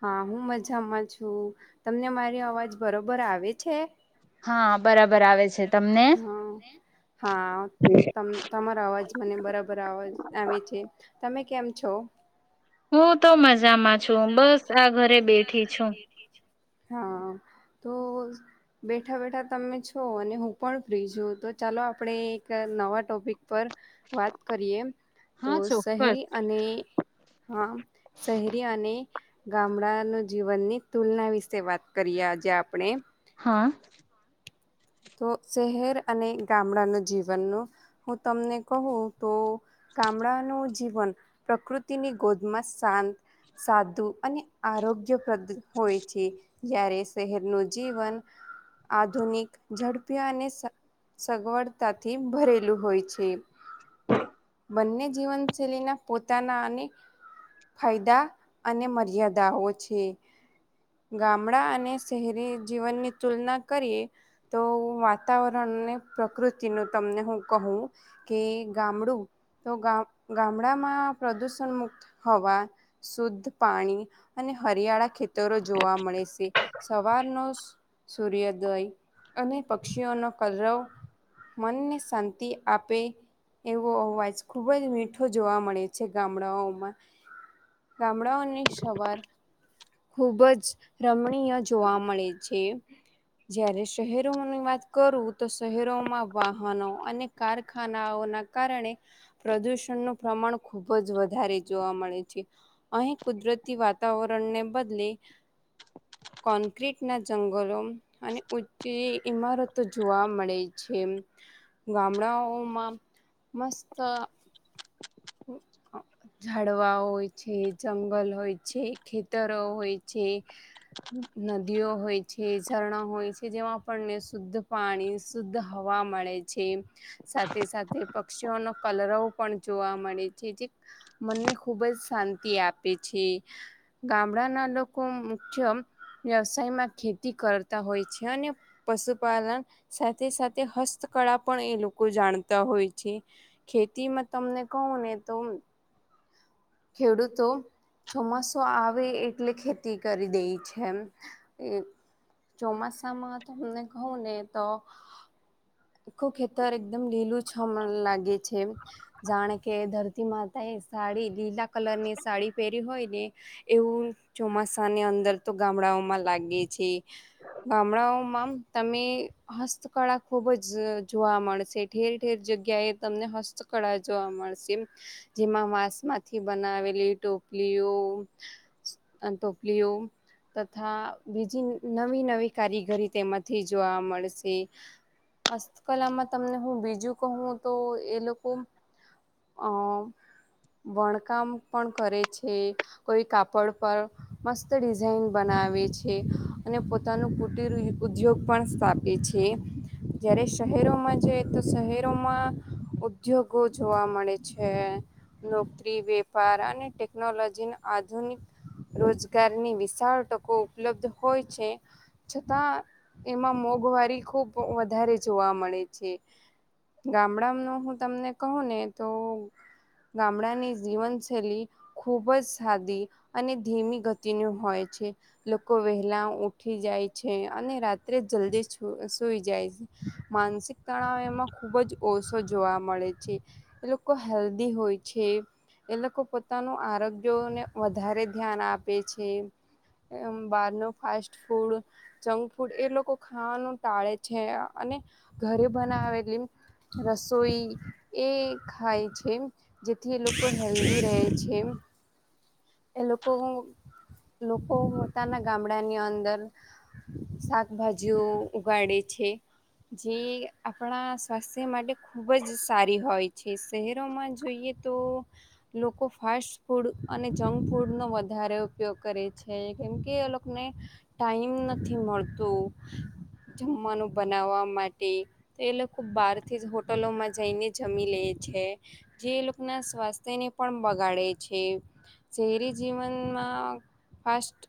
હા હું મજામાં. છું, તમને મારી અવાજ બરોબર આવે છે. હા. હા તમારા અવાજ મને બરાબર અવાજ આવે છે. તમે કેમ છો? હા. તો મજામાં છું બસ આ ઘરે બેઠી છું હા તો બેઠા બેઠા તમે છો અને હું પણ ફ્રી છું તો ચાલો આપણે એક નવા ટોપિક પર વાત કરીએ તો શહેરી અને હા શેહરી અને ગામડાનું જીવનની તુલના વિશે વાત કરીએ આજે આપણે હા તો શહેર અને ગામડાનું જીવનનું હું તમને કહું તો ગામડાનું જીવન પ્રકૃતિની ગોદમાં શાંત સાદું અને આરોગ્યપ્રદ હોય છે જ્યારે શહેરનું જીવન આધુનિક ઝડપી અને સંગ સગવડતાથી ભરેલું હોય છે બંને જીવનશૈલીના પોતાના અનેક ફાયદા અને મર્યાદાઓ છે ગામડા અને શહેરી જીવનની તુલના કરીએ તો વાતાવરણને પ્રકૃતિ નું તમને હું કહું કે ગામડું તો ગામ ગામડામાં પ્રદૂષણ મુક્ત હવા શુદ્ધ પાણી અને હરિયાળા ખેતરો જોવા મળે છે સવારનો સૂ સૂર્યોદય અને પક્ષીઓનો કલરવ મનને શાંતિ આપે એવો અવાજ ખુબ જ મીઠો જોવા મળે છે ગામડાઓમાં ગામડાઓની સવાર ખુબ જ રમણીય જોવા મળે છે જ્યારે શહેરોની વાત કરું તો શહેરોમાં વાહનો અને કારખાનાઓના કારણે પ્રદુષણનું પ્રમાણ ખુબ જ વધારે જોવા મળે છે અહીં કુદરતી વાતાવરણને બદલે કોન્ક્રીટ ના જંગલો અને જે ઈમારતો જોવા મળે છે ગામડાઓમાં મસ્ત ઝડવા હોય છે જંગલ હોય છે ખેતરો હોય છે નદીઓ હોય છે ઝરણા હોય છે જેમાં આપણને શુદ્ધ પાણી શુદ્ધ હવા મળે છે સાથે સાથે પક્ષીઓનો કલરવ પણ જોવા મનને ખુબ જ શાંતિ આપે છે ગામડાના લોકો મુખ્ય વ્યવસાયમાં ખેતી કરતા હોય છે અને પશુપાલન સાથે સાથે હસ્તકળા પણ એ લોકો જાણતા હોય છે ખેતીમાં તમને કોન હૈ તો ખેડૂતો ચોમાસું આવે એટલે ખેતી કરી દે છે ચોમાસામાં તમને કહું ને તો આખું ખેતર એકદમ લીલું છમ લાગે છે જાણે કે ધરતી માતા એ સાડી લી લખ કલર ની સાડી પહેરી હોય એ એવું ચોમાસાની અંદર તો ગામડાઓમાં લાગે છે ગામડાઓમાં તમે હસ્તકળા ખુબ જ જોવા મળશે ઠેર ઠેર જગ્યા એ તમને હસ્તકળા જોવા મળશે જેમાં માસમાં થી બનાવેલી ટોપલીઓ ટોપલીઓ તથા બીજી નવી નવી કારીગરી તેમાંથી જોવા મળશે હસ્તકલામાં તમને હું બીજું કહું તો એ લોકો અ વણકામ પણ કરે છે કોઈ કાપડ પર મસ્ત ડિઝાઇન બનાવે છે અને પોતાનું કુટિર ઉદ્યોગ પણ સ્થાપે છે જ્યારે શહેરોમાં જાય તો શહેરોમાં ઉદ્યોગો જોવા મળે છે નોકરી વેપાર અને ટેકનોલોજી ના આધુનિક રોજગારની વિશાળ તકો ઉપલબ્ધ હોય છે છતાં એમાં મોંઘવારી ખુબ વધારે જોવા મળે છે ગામડા ન હું તમને કહો ને તો ગામડાની જીવનશૈલી ખૂબ જ સાદી અને ધીમી ગતિની હોય છે લોકો વહેલા ઉઠી જાય છે અને રાત્રે જલ્દી છ સુઈ જાય છે માનસિક તણાવ એમાં ખૂબ જ ઓછો જોવા મળે છે એ લોકો હેલ્ધી હોય છે એ લોકો પોતાનું આરોગ્યને વધારે ધ્યાન આપે છે બહારનું ફાસ્ટ ફૂડ જંક ફૂડ એ લોકો ખાવાનું ટાળે છે અને ઘરે બનાવેલી રસોઈ એ ખાય છે જેથી એ લોકો હેલ્ધી રહે છે એ લોકો લોકો પોતાના ગામડાની અંદર શાકભાજીઓ ઉગાડે છે જે આપણા સ્વાસ્થ્ય માટે ખૂબ જ સારી હોય છે શહેરોમાં જોઈએ તો લોકો ફાસ્ટ ફૂડ અને જંક ફૂડનો વધારે ઉપયોગ કરે છે કેમકે એ લોકોને ટાઈમ નથી મળતું જમવાનું બનાવવા માટે એ લોકો બહારથી જ હોટલોમાં જઈને જમી લે છે જે એ લોકોના સ્વાસ્થ્યને પણ બગાડે છે ઝહેેરી જીવનમાં ફાસ્ટ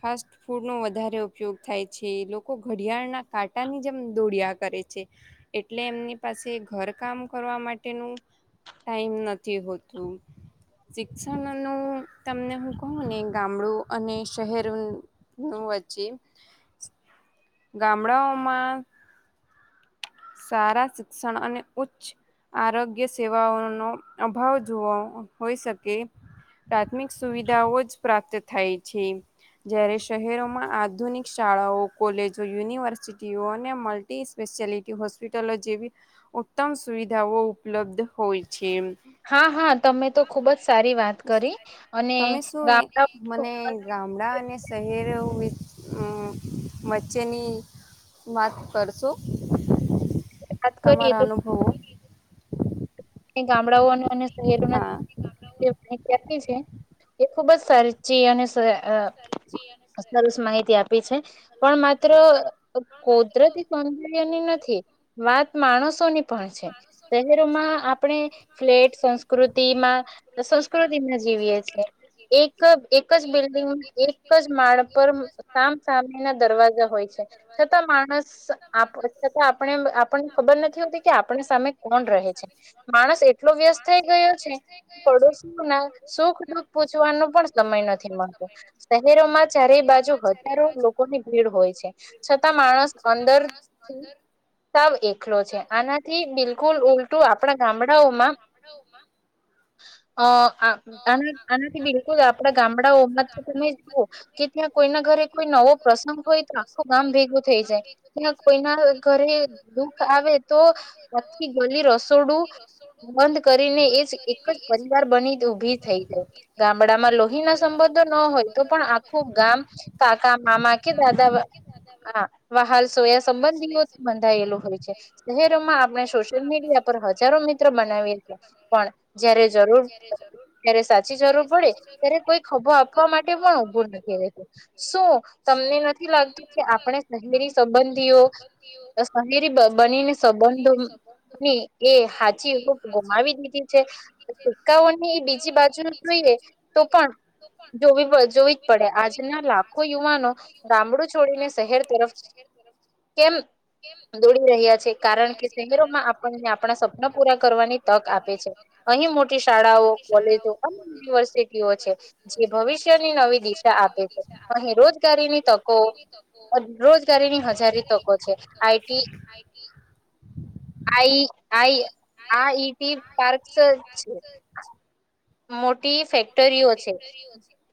ફાસ્ટ ફૂડ નો વધારે ઉપયોગ થાય છે લોકો ઘડિયાળના કાંટાની જેમ દોડિયા કરે છે એટલે એમની પાસે ઘર કામ કરવા માટે તેનું ટાઈમ નથી હોતું શિક્ષણ નું તમને હું કહું ને ગામડું અને શહેર નું વચી ગામડાઓમાં સારા શિક્ષણ અને ઉચ્ચ આરોગ્ય સેવાઓનો અભાવ જોવા હોઈ શકે પ્રાથમિક સુવિધાઓ જ પ્રાપ્ત થાય છે જ્યારે શહેરોમાં આ આધુનિક શાળાઓ કોલેજો યુનિવર્સિટીઓ અને મલ્ટી સ્પેશિયાલિટી હોસ્પિટલો જેવી ઉત્તમ સુવિધાઓ ઉપલબ્ધ હોય છે હા હા તમે તો ખુબ જ સારી વાત કરી અને ગામડા શહેર વચ્ચેની વાત કરશો તમામારા અનુભવ ક ગામડાઓનું [inaudible] એ ખુબ જ સારી છેી અને સરસ માહિતી આપી છે પણ માત્ર કુદરતી સૌંદર્યની નથી વાત માણસોની પણ છે શહેરોમાં આપણે ફ્લેટ સંસ્કૃતિમાં સંસ્કૃતિમાં જીવીએ છ છેએ એક એક જ બ એક જ માળ પર સામ સામે ના દરવાજા હોય છે છતાં માણસ છતાં આપણે આપણને ખબર નથી હોતી કે આપણા સામે કોણ રહે છે માણસ એટલો વ્યસ્ત થઈ ગયો છે કે પડોશઓ ના સુખ દુઃખ પૂછવાનો પણ સમય નથી મળતો શહેરોમાં ચારે બાજુ હજારો લોકોની ભીડ હોય છે છતાં માણસ અંદર સાવ એકલો છે આનાથી બિલકુલ ઉલટું આપણા ગામડાઓમાં આનાથી બિલકુલ આપણા ગામડાઓમાં તમે જુઓ કે ત્યાં કોઈના ઘરે કોઈ નવો પ્રસંગ હોય તો આખું ગામ ભેગું થઈ જાય ત્યાં કોઈના ઘરે દુખ આવે તો આખથી ગલી રસ ોડું બંધ કરીને એ એક જ પરિવાર બની ઉભી થઈ જાય ગામડામાં લોહીના સંબંધો ન હોય તો પણ આખું ગામ કાકા મામા કે દાદા વહાલ સોયા સંબંધીઓથી બંધાયેલું હોય છે શહેરોમાં આપણે સોશિયલ મીડિયા હજારો મિત્ર બનાવીએ પણ જારે જરૂર જ્યારે સાચી જરૂર પડે ત્યારે કોઈર ઉભો આપવા માટે પણ ઉભું નથી રહેતું શું તમને નથી લાગતું કે આપણે શહેરી સંબંધીઓ શહેરી બનીને સંબંધોની એ હાજીપ ગુમાવી દીધી છે સિક્કાઓને એ બીજી બાજુ જોઈએ તો પણ જોવી જોવી જ પડે આજના લાખો યુવાનો ગામડું છોડીને શહેર તરફ કેમ દોડી રહ્યા છે કારણ કે શહેરોમાં આપણને આપણા સપના પૂરા કરવાની તક આપે છે અહીં મોટી શાળાઓ કોલેજો અને યુનિવર્સિટીઓ છે જે ભવિષ્યની નવી દિશા આપે છે અહી રોજગારીની તકો રોજગારીની હજારી તકો છે આઈટી આઈ આ આ ઈટી પાર્કસ છે [inaudible] ફેક્ટરીઓ છે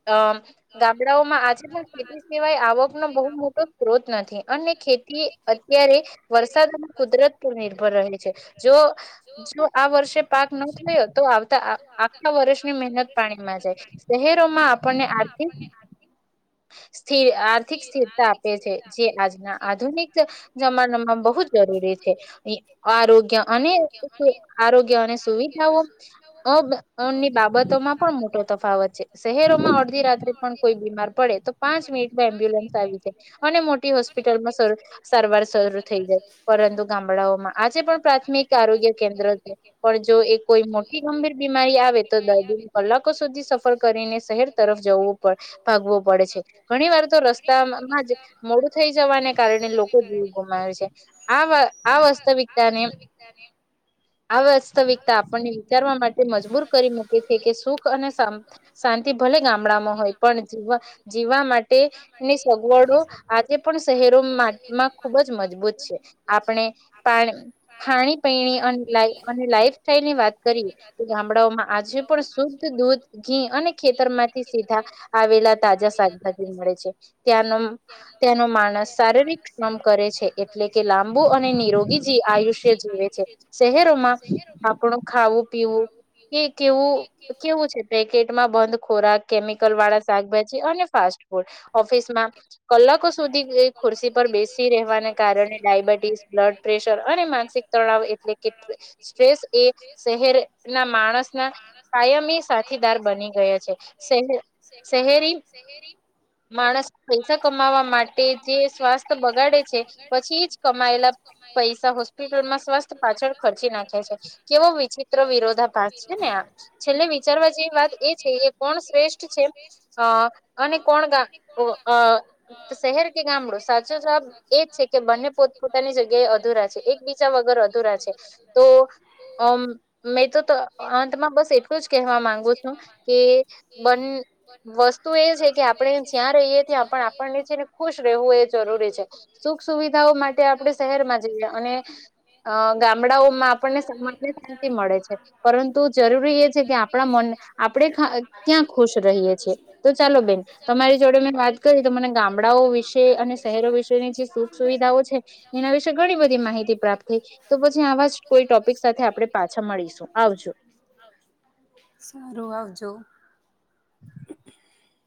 અ ગામડાઓમાં આ છે પણ ખેતી સિવાય આવક નો બહુ મોટો સ્ત્રોત નથી અને ખેતી અત્યારે વરસાદ અને કુદરત પર નિર્ભર રહે છે જો જો આ વર્ષે પાક ન થયો તો આવતા હ વર્ષની મત પાણીમાં જાય શહેરોમાં આપણને આર્થિક સ્થિર આર્થિક સ્થિરતા આપે છે જે આજના આધુનિક જમાનામાં બહુ જ જરૂરી છે આરોગ્ય અને આરોગ્ય અને સુવિધાઓની માં પણ મોટો તફાવત છે શહેરોમાં અડધી રાત્રે પણ કોઈ બીમાર પડે તો પાંચ મિનિટમાં એમ્બ્યુલન્સ આવી જાય અને મોટી હોસ્પિટલમાં સારવાર શરૂ થઈ જાય પરંતુ ગામડાઓમાં આજે પણ પ્રાથમિક આરોગ્ય કેન્દ્ર છે પણ જો એ કોઈ મોટી ગંભીર બીમારી આવે તો રી આવે તો લોકો સુધી સફર કરીને તરફ જું પડ પડે છે ઘણી વાર તો રસ્તામાં જ મોડું થઈ જવાને કારણે લોકો દીવ ગુમાવે છે આ આ વાસ્તવિકતાને આ વાસ્તવિકતા આપણને વિચારવા માટે મજબૂર કરી મૂકે છે કે સુખ અને શાંતિ ભલે ગામડામાં હોય પણ જીવા જીવવા માટેની સગવડો આજે પણ શહેરોમાં ખુબ જ મજબૂત છે આપણે પાણી ખાણી પીણી અને અને લાઈફ સ્ટાઈલ ની વાત કરીએ તો ગામડાઓમાં પણ શુદ્ધ દૂધ ઘી અને ખેતર માંથી સીધા આવેલા તાજા શાકભાજી મળે છે તંનો ત્યાંનો માણસ શારીરિક શ્રમ કરે છે એટલે કે લાંબુ અને નિરોગી જે આયુષ્ય જીવે છે શહેરોમાં આપણું ખાવું પીવું કે કેવું કેવું છે પેકેટમાં બંધ ખોરાક કેમિકલ વાળા સાભ અને ફાસ્ટ ફૂડ ઓફિસમાં કલાકો સુધી ખુરશી પર બેસી રહેવાને કારણે ડયાબિટીસ બ્લડ પ્રેશર અને માનસિક તણાવ એટલે સ્ટસ એ શહેર ના માણસના કાયમી સાથીદાર બની ગયા છે શ શહેરી માણસ પૈસા કમા જે સ્વાસ્થ્ય બગાડે છે પછી જ કમાયેલા પૈસા હોસ્પિટલમાં સ્વાસ્થ્ય પાછળ ચી નાખે છે કેવો વિચિત્ર વિરોધા ભાગ છે ને આ છેલ્લે વિચારવા જેવી વાત એ છે કે કોણ શ્રેષ્ઠ છે અને કોણ શહેર કે ગામડું સાચો સાવાબ એજ છે કે બંને પોત પોતાની જગ્યાએ અધુરા છે એક બીચા વગર અધુરા છે તો અ મેં તો અંતમાં બસ એટલું જ કહેવા માંગુ છું કે બ વસ્તુ એ છે કે આપણે જ્યાં રહીએ ત્યાં પણ આપ ખુશ રહેવું એ જરૂરી છે સુખ સુવિધાઓ માટે આપણે શહેરમાં જઈએ અને અ ગામડાંઓ આપને શાંતિ મળે છે પરંતુ જરૂરી એ છે કે આપણા મન આપણે ક્યાં ખુશ રહીએ છી તો ચાલો બેન તમારી જોડે મેં વાત કરી મને ગા ગામડાઓ વિશે અને શહેરો વિશેની જે સુખ સુવિધાઓ છે એના વિશે ઘણી બધી માહિતી પ્રાપ્ત થઈ? સારું આવજો.